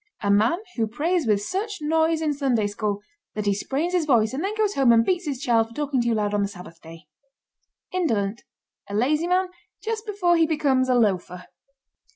A man who prays with such noise in Sunday School that he sprains his voice and then goes home and beats his child for talking too loud on the Sabbath day. INDOLENT. A lazy man just before he becomes a loafer.